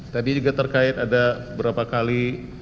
tadi juga terkait ada berapa kali